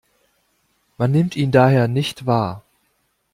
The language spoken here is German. Man nimmt ihn daher nicht wahr.